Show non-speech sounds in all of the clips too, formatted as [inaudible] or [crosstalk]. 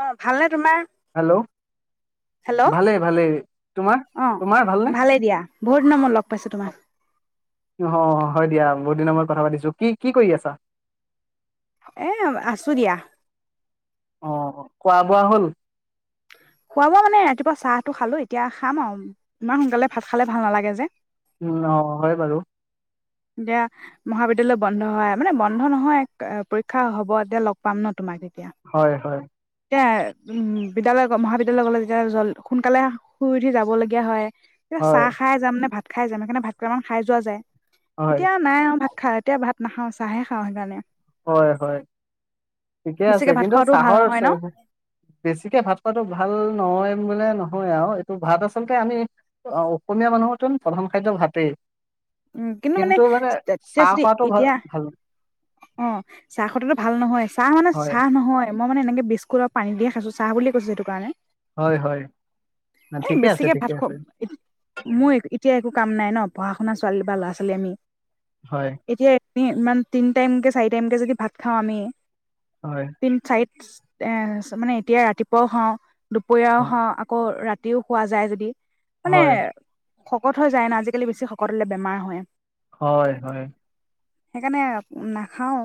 অঁ ভালনে তোমাৰ হেল্ল' হেল্ল' ভালেই ভালেই তোমাৰ অঁ তোমাৰ ভালনে ভালেই দিয়া বহুত দি নামত লগ পাইছো তোমাৰ হয় দিয়া বহুত দিনৰ ময়ত কথা পাতিছো কি কি কৰি আছা এ আছো দিয়া অঁ খোৱা বোৱা হ'ল খোৱা বোৱা মানে ৰাতিপুৱা চাহটো খালো এতিয়া খাম আৰু ইমান সোনকালে ভাত খালে ভাল নালাগে যে উম অঁ হয় বাৰু এতিয়া মহাবিদ্যয়ালয় বন্ধ হয় মানে বন্ধ নহয় পৰীক্ষা হ'ব এতিয়া লগ পাম ন তোমাক তেতিয়া হয় হয় এতিয়া উম বিদ্যালয়ৰ মহাবিদ্যয়ালয় গলে যেতিয়া জল সোনকালে শুই উঠি যাব লগগীয়া হয় য়া হয় চাহ খাই যাম নে ভাত ভ খাই যায় মান কাৰণে ভাতকেইটামান খাই যোৱা যায় হয় এতিয়া নাই অঁ ভাত খা এতিয়া ভাত নাখাওঁ চাহে খাওঁ সেইকাৰণে হয় হয় ঠিকে আছে বেছিকে ভাত কিন্তু খোৱাটোও ভাল চাহৰ নহয় ন বেছিকে ভাত খোৱাটো ভাল নহয় বোলে নহয় আৰু এইটো ভাত আচলতে আমি অসমীয়া মানুহৰ প্ৰধান খাদ্য ভাতেই কিন্তু মানে চাহ খোৱাটো ভাল ভাল অঁ চাহ খোৱাটো ভাল নহয় চাহ মানে হয় চাহ নহয় মই মানে এনেকৈ বিস্কুট পানী দিয়ে খাইছোঁ চাহ বুলি কৈছোঁ সেই কাৰণে হয় হয় এ ঠিকে আছে বেছিকে ঠিকে ভাত খাওঁ আছে মই এতিয়া একো কাম নাই ন' পঢ়া'শুনা ছোৱালী বা ল'ৰা-ছোৱালী আমি। হয় এতিয়া ইমান তিনি টাইমকে চাৰি টাইমকে যদি ভাত খাওঁ আমি। হয় হয় তিন চাৰি এ মানে এতিয়া ৰাতিপুৱাও খাওঁ। দুপৰীয়াও খাওঁ আকৌ ৰাতি ৰাতিও খোৱা যায় যদি। মানে হয় শকত হৈ যায় ন' আজিকালি বেছি শকত হ'লে বেমাৰ হয়। হয়, হয়। সেইকাৰণে নাখাওঁ।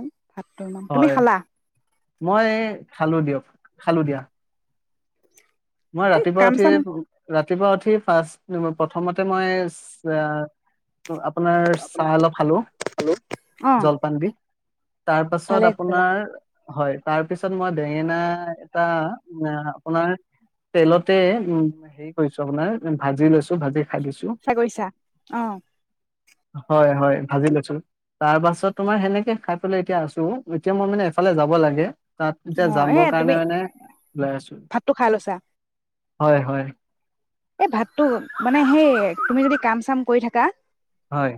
হয়, মই খালোঁ দিয়ক। খালোঁ দিয়া। মই এই ৰাতিপুৱা কাম উঠি চাম ৰা ৰাতিপুৱা উঠি ফাৰ্ষ প্ৰথমতে মই অ' আপোনাৰ চাহ অলপ খালোঁ অ জলপান দি। তাৰ পাছত ভালে কৰিলা আপোনাৰ হয় তাৰ পিছত মই বেঙেনা এটা আপোনাৰ তেলতে উম, হেৰি কৰিছো আপোনাৰ ভাজি লৈছো, ভাজি খাই দিছো চাগৰিছা অ'। হয়, হয় ভাজি লৈছো, তাৰ পাছত তোমাৰ সেনেকে খাই পেলাই এতিয়া আছো, এতিয়া মই মানে এফালে যাব লাগে। তাত এতিয়া অ এ যামৰ কাৰণে মানে ওলাই আছো। ছা হয়, হয়। এই ভাতটো মানে সেই তুমি যদি কাম চাম কৰি থাকা হয়।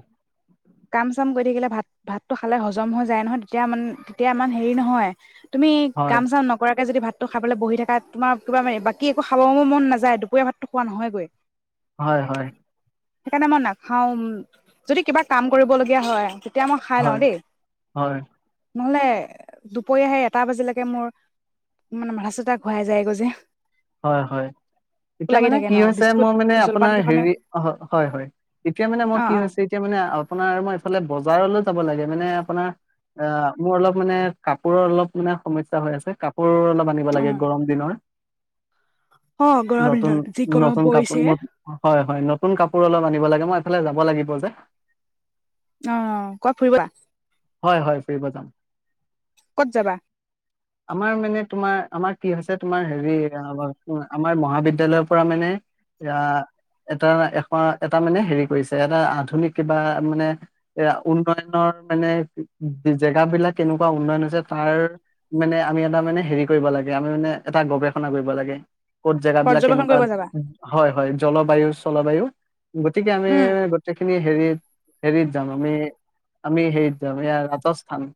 কাম চাম কৰি থাকিলে ভাত, ভাতটো খালে হজম হৈ যায় নহয় তেতিয়া ম তেতিয়া ইমান হেৰি নহয়। তুমি হয় কাম চাম নকৰাকে যদি ভাত খাবলৈ বহি থকা তোমাৰ কিবা বাকী একো খাব মন নযায় দুপৰীয়া ভাত খোৱা নহয়গৈ। হয়, হয়। সেইকাৰণে মই নাখাওঁ, যদি কিবা কাম কৰিব লগীয়া হয় এতিয়া মই খাই লওঁ হয়, দেই। হয়, নহ'লে দুপৰীয়া আহে এটা বাজিলৈকে মোৰ মানে মাথা চাথা ঘূৰাই যায়গৈ যে। হয়, হয়। এতিয়া লাগি মানে থাকে কি ন হৈছে বিস্কুট মই মানে জলপান আপোনাৰ কেইখনে হেৰি অ', হয়, হয় এতিয়া মানে মই অ কি অ হৈছে এতিয়া মানে আপোনাৰ মই এইফালে বজাৰলৈ যাব লাগে। মানে আপোনাৰ অ মোৰ অলপ মানে কাপোৰৰ অ মানে আাপোৰ অলপ বানিব অ লাগে গৰম দিনৰ অ গৰম নতুন দিনত যি গৰম নতুন কাপোৰ পৰিছে ন হয় হয় কোন কাপোৰ অলপ আনিব লাগে মই এইফালে যাব লাগিব যে অ কত ফুৰিব হয় হয় ফুৰিব যাম ক'ত যাবা আমাৰ মানে তোমাৰ আমাৰ কি হৈছে তোমাৰ হেৰি আমাৰ মহাবিদ্যালয়ৰ পৰা মানে এ এটা এ এটা মানে হেৰি কৰিছে এটা আধুনিক কিবা মানে এ উন্নয়নৰ মানে জেগাবিলাক কেনেকুৱা উন্নয়ন হৈছে তাৰ মানে আমি এটা মানে হেৰি কৰিব লাগে আমি মানে এটা গৱেষণা কৰিব লাগে ক'ত জেগাবিলাক পৰ্যবেক্ষণ কেনেকুৱা কৰিব যাবা হয় হয় জলবায়ু জলবায়ু গতিকে আমিে উম গোটেইখিনি হেৰিত হেৰিত যাওঁ আমি আমি হেৰিত ৰাজস্থান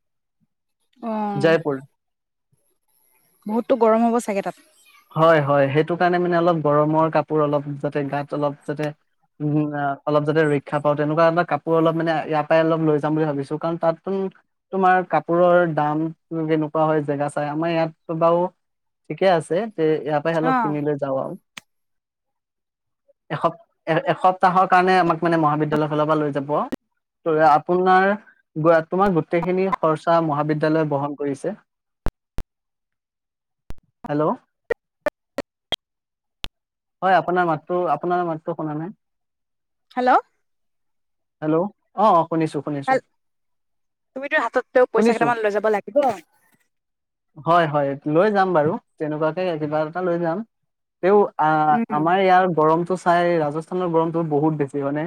অ জয়পুৰ বহুতো গৰম হ'ব চাগে তাত হয় হয় সেইটো কাৰণে মানে অলপ গৰমৰ কাপোৰ অলপ যাতে গাত অলপ যাতে উম অলপ যাতে ৰক্ষা পাওঁ তেনেকুৱা এটা কাপোৰ অলপ মানে ইয়াৰ পৰাই অলপ লৈ যাম বুলি ভাবিছো কাৰণ তাত তোমাৰ কাপোৰৰ দাম কেনেকুৱা হয় জেগা চাই আমাৰ ইয়াত বাৰু ঠিকে আছে তে ইয়াৰ পৰাই অ অলপ কিনিলে যা এসপ্তাহৰ কাৰণে আমাক মানে মহাবিদ্যালয়ৰ ফালৰ পৰা লৈ যাব ত আপোনাৰ গ তোমাৰ গোটেইখিনি খৰচা মহাবিদ্যালয় বহন কৰিছে হেল্ল' হয় আপোনাৰ মাততো আপোনাৰ মাততো শুনা নাই হেল্ল' হেল্ল' অ শুনিছো শুনিছো ভাল তুমিতো হাতত পইচা শুনিছো কেইটামান লৈ যাব লাগিব হয় হয় লৈ যাম বাৰু তেনেকুৱাকে কিবা এটা লৈ যাম তেওঁ আ উম আমাৰ ইয়াৰ গৰমতটো চাই ৰাজস্থানৰ গৰমটো বহুত বেছি মানে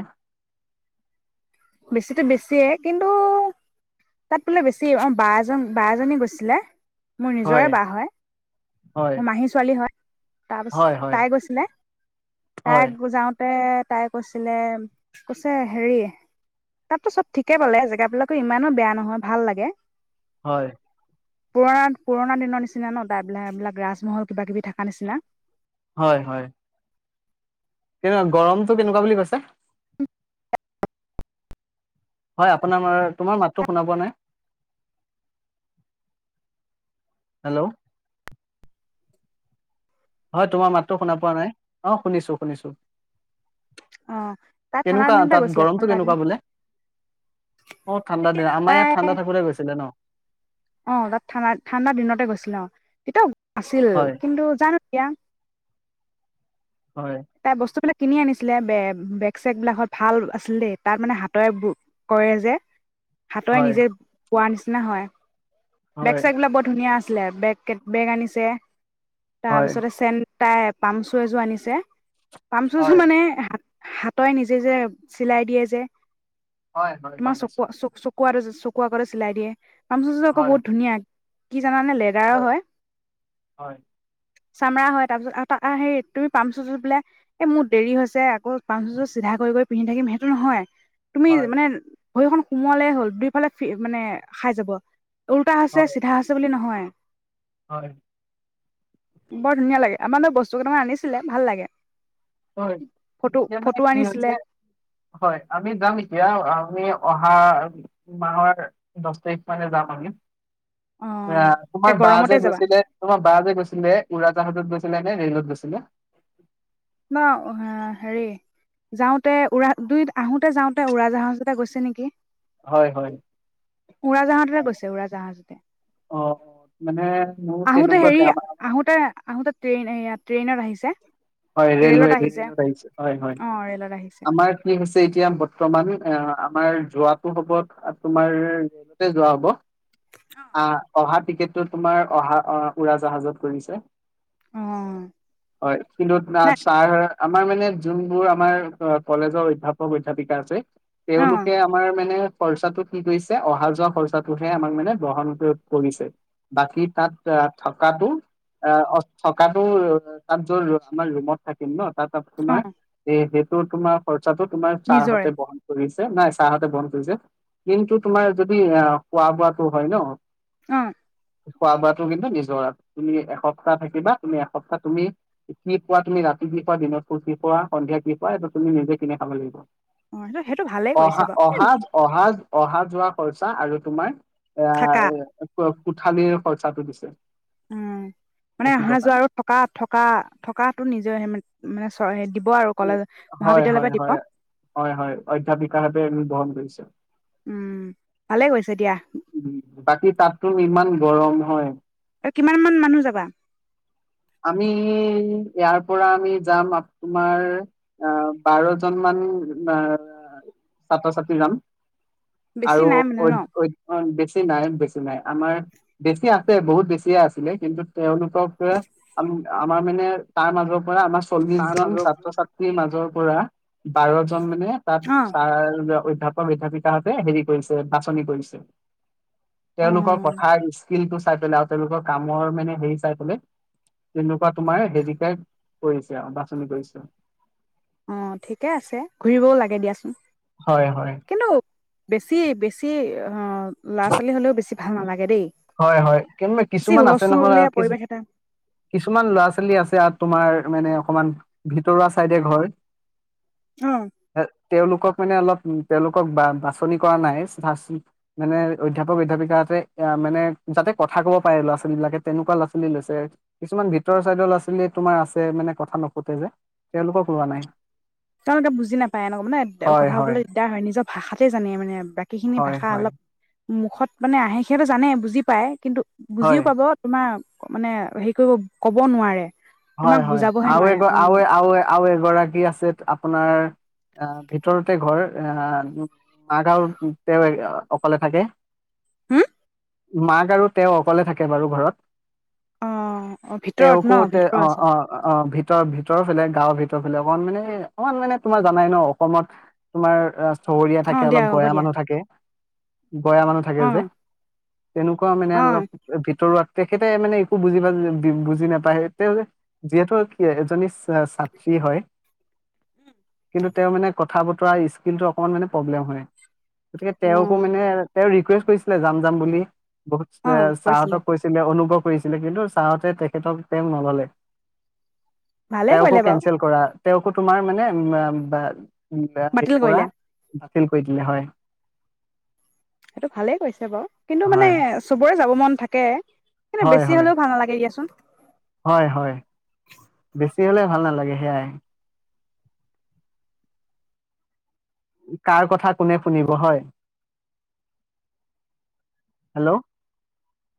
বেছিতো বেছিয়ে কিন্তু তাত বোলে বেছি অ বা এজন বাজনী গৈছিলে মোৰ নিজৰে বা হয় হয় মোৰ মাহী ছোৱালী হয় হয় তাৰপিছ হয় তাই গৈছিলে তাই হয় যাওঁতে তাই কৈছিলে কৈছে হেৰি তাততো চব ঠিকে পালে জেগাবিলাকো ইমানো বেয়া নহয় ভাল লাগে হয় পুৰণা পুৰণা দিনৰ নিচিনা ন তাইবিলাক এইবিলাক ৰাজমহল কিবা কিবি থকা নিচিনা হয় হয় কেনেকুৱা গৰমটো কেনেকুৱা বুলি কৈছে হয় আপোনাৰ তোমাৰ মাতটো শুনা পোৱা নাই হেল্ল' হয় তোমাৰ মাতটো শুনা পোৱা নাই অ শুনিছো শুনিছো অ তাই ঠাণ্ডাৰ কেনেকুৱা দিনতে তাত গৈছিলে গৰমটো ঠাণ্ডা কেনেকুৱা দিন বোলে অ ঠাণ্ডা তেতিয়া দিন আমাৰ ইয়াত ঠাণ্ডা তাই থাকোতে গৈছিলে ন আহ তাত ঠাণ্ডা ঠাণ্ডাৰ দিনতে গৈছিলে অ সিটো আছিল হয় কিন্তু জানো তিয়া হয় তাই বস্তুবিলাক কিনি আনিছিলে বে বেগ চেগ বিলাক ভাল আছিল দেই তাত মানে হাতৰে কৰে যে। হাতৰে হয় নিজে পোৱা নিচিনা হয়। বেগ হয় চেগ বিলাক বৰ ধুনীয়া আছে। ছিলে বেগ বেগ আনিছে। হয় তাৰপিছতে চে তাই পামচু এযোৰ আনিছে। পামচুজোৰ হয় মানে হাতই নিজে যে চিলাই দিয়ে যে। হয়, হয়, গম পাইছো। চুকাৰ চুকোৱাক চিলাই দিয়ে। আজিজুল হয় কবোত নিয়া কি জানানে লেডাৰ হয়। হয় চামৰা হয় তাৰপিছত হেৰি তুমি পামচুযোৰ বোলে এই মোৰ দেৰি হৈছে আকৌ পামচু জোৰ চিধা কৰি কৰি পিন্ধি থাকিম সেইটো নহয়। তুমি হয় মানে ভৰিখন সোমোৱালেই হ'ল দুইফালে মানে খাই যাব। উল্টা হৈছে, হয় চিধা হৈছে বুলি নহয়। [inaudible] হয়। বৰ ধুনীয়া লাগে, আমালৈ বস্তু কেইটামান আনিছিলে ভাল লাগে। হয়, ফটো এতিয়া মানে ফটো কি আনিছিলে হৈছে, হয়, আমি যাম এতিয়া আ আমি অহা মাহৰ দছ তাৰিখ মানে যাম আমি। অ', একে তোমাৰ বা গৰমতে যে যাবা গৈছিলে তোমাৰ বা যে গৈছিলে উৰাজাহাটত গৈছ নে ৰেলত গৈছিলে? ন' হ' হেৰি যাওঁতে উৰা দুই আহোতে যাওঁতে উৰাজাহাজতে গৈছে নেকি। হয় হয় উৰাজাহাজতে গৈছে উৰাজাহাজতে, অ মানে মোৰ আহোঁতে তেনেকুৱাকে হেৰি আমাৰ আহোঁতে, আহোঁতে ট্ৰেইন এইয়া ট্ৰেইনত আহিছে। হয় ৰেলৱে ৰেলত আহিছে, হয়, হয়, অ ৰে'লত আহিছে আমাৰ কি হৈছে এতিয়া বৰ্তমান এ তোমাৰ যোৱাটো হ'ব, তোমাৰ ৰেলতে যোৱা হ'ব। আ অহা টিকেট টো তোমাৰ অহা অ' উৰাজাহাজত কৰিছে অ হয় [unintelligible] হে নাই আমাৰ মানে জোনবোৰ আমাৰ অ' কলেজৰ অধ্যাপক-অধ্যাপিকা আছে অ তেওঁলোকে আমাৰ মানে খৰচাটো কি কৰিছে অহা যোৱা খৰচাটোহে আমাক মানে বহন ক কৰিছে, বাকি তাত আ থকাটো অ' থকাটো তাতো আমাৰ ৰুমত থাকিম ন তাত অ তোমাৰ এই হে ত' তোমাৰ খৰ খৰচাতো তোমাৰ নিজৰে চাৰহঁতে বহন কৰিছ নাই চাৰহঁতে বহন কৰিছে, কিন্তু তোমাৰ যদি আহ খোৱা-বোৱাটো হয় ন' অ' খোৱা-বোৱাতো কিন্তু নিজৰ, তুমি এসপ্তাহ থাকিবা তুমি এসপ্তাহ তুমি কি খোৱা, তুমি ৰাতি কি খোৱা, দিনত কি খোৱা, সন্ধিয়া কি খোৱা এইটো তুমি নিজে কিনি খাব লাগিব অ' হে হেটো ভালে কৰিছে বাৰু [unintelligible] অহা-যোৱা খৰচা আৰু তোমাৰ থাকা আ কোঠালিৰ খৰচাটো দিছে উম' মানে থাকিবৰ অহা-যোৱা আৰু থকা থকা থকাত টো নিজৰহে মান মানে ছয় উম, হয় হয় হয়, হয় হয় অধ্যাপিকাহতে বহন কৰিছে উম ভালে গৈছে দিয়া বাকী তাততো ইমান গৰম হয় কিমান মান মানুহ যাবা আমি ইয়াৰ পৰা আমি যাম তোমাৰ আহ বাৰজন মান ছাত্ৰ ছাত্ৰী যাম বেছি আৰু নাই মানে ন বেছি নাই বেছি নাই আমাৰ বেছি আছে বহুত বেছিয়ে আছিলে কিন্তু তেওঁলোকক কে আম আমাৰ মানে তাৰ মাজত পৰা আমাৰ চল্লিশ জন ছাত্ৰ ছাত্ৰীৰ মাজৰ পৰা বাৰ জন মানে তাত অ চাৰ আৰু [unintelligible] অধ্যাপক অধ্যাপিকাহতে হেৰি কৰিছে বাছনি কৰিছে অ তেওঁলোকৰ পথাৰ দিছে ফিলটো চাই পেলাই আৰু তেওঁলোকৰ কামৰ মানে হেৰি চাই পেললে তেনেকুৱা তোমাৰ হেৰিকাই কৰিছে আৰু বাছনি কৰিছে অ ঠিকে আছে ঘুৰিবও লাগে দিয়াচোন। হয় হয় কিন্তু বেছি বেছি ল'ৰা ছোৱালী হলেও বেছি ভাল নালাগে দেই। হয় হয় কিন বেছি কিছুমান আছে নহয় হুলস্থুলীয়া কি পৰিৱেশ এটা কিছুমান ল'ৰা ছোৱালী আছে ইয়াত তোমাৰ মানে অকমান ভিতৰুৱা চাইডে ঘৰ অ তেওঁলোকক মানে অলপ তেওঁলোকক বা বাছনি কৰা নাই মানে অধ্যয়াপক অধ্যয়াপিকাতে মানে যাতে কথা ক'ব পাৰে ল'ৰা ছোৱালী বিলাকে তেনেকুৱা ল'ৰা ছোৱালী লৈছে কিছুমান ভিতৰৰ চাইদৰ ল'ৰা তোমাৰ আছে মানে কথা নুফুটে যে তেওঁলোকক লোৱা নাই তেওঁলোকে বুজি নাপায় এনেকুৱা মানে হয় কথা হয় কবলৈ দিগদাৰ হয় নিজৰ ভাষাতে জানে মানে বাকী খিনি হয় ভাষা হয় অলপ মুখত মানে আহে সিহটো জানে বুজি পায় কিন্তু বুজিও হয় পাব তোমাৰ মানে হেৰি কৰিব কব নোৱাৰে হয় তোমাক হয় বুজাবহে আৰু নোৱাৰে এগে অ আ আৰু এগৰাকী আছে আপোনাৰ আহ ভিতৰতে ঘৰ আহ মা গাঁওতে অকলে থাকে। হম মাক আৰু তেওঁ অকলে থাকে বাৰু ঘৰত। অ অ ভিতৰত তেওঁকো ন তে ভিত অ অ অ ভিত ভিতৰৰ ফালে গাঁৱৰ ভিতৰ ফালে অকমান মানে অকমান মানে তোমাৰ জানাই ন অসমত তোমাৰ চবৰীয়া অ থাকে দিয়া অলপ হ'ব গয়া দিয়া মানুহ থাকে গয়া মানুহ থাকে অ যে তেনেকুৱা মানে অ অলপ ভিতৰুৱাত তেখেতে মানে একো বুজি প বুজি নাপায়। তেওঁ যিহেতু এজনী ছাত্ৰী হয় কিন্তু তেওঁ মানে কথা বতৰা স্কিলটো অকমান মানে প্ৰব্লেম হয়। গতিকে অ তেওঁকো মানে তেওঁ ৰিকুৱেষ্ট কৈছিলে যাম যাম বুলি। বহুত ছাহঁতক কৈছিলে অনুভৱ কৰিছিলে কিন্তু ছাওঁতে তেখেতক তেওঁ ন ললে ভালে তেওঁকো কৰিলে বাৰু কেনচেল কৰা তেওঁকো তোমাৰ মানে হেৰি বাতিল পৰা কৰিলে কৰি দিলে হয়। সেইটো ভালেই কৈছে বাৰু কিন্তু মানে হয় চুবৰে যাব মন থাকে কিন্তু হয় বেছি হয় হলেও ভাল নালাগে দিয়াচোন তে হ'লে ভাল নালাগে সেয়াই কাৰ কথা কোনে শুনিব হয় হেল্ল'